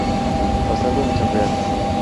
Basado en hechos reales.